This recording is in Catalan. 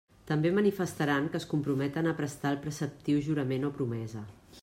També manifestaran que es comprometen a prestar el preceptiu jurament o promesa.